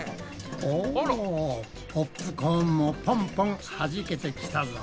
おポップコーンもポンポンはじけてきたぞ。